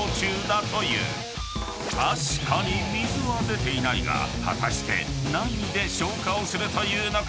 ［確かに水は出ていないが果たして何で消火をするというのか？］